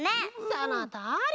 そのとおり！